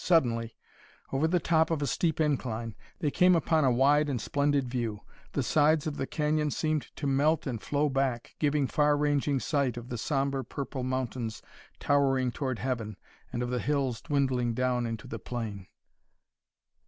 Suddenly, over the top of a steep incline, they came upon a wide and splendid view. The sides of the canyon seemed to melt and flow back, giving far ranging sight of the sombre purple mountains towering toward heaven and of the hills dwindling down into the plain.